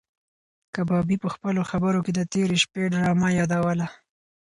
کبابي په خپلو خبرو کې د تېرې شپې ډرامه یادوله.